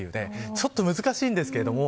ちょっと難しいんですけれども。